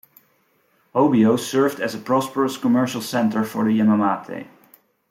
Hobyo served as a prosperous commercial centre for the Imamate.